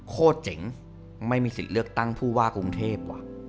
โคตรเจ๋งไม่มีสิทธิ์เลือกตั้งผู้ว่ากรุงเทพว่ะ